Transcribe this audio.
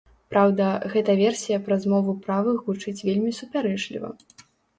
Праўда, гэта версія пра змову правых гучыць вельмі супярэчліва.